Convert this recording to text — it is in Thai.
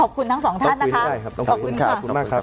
ขอบคุณทั้งสองท่านนะคะ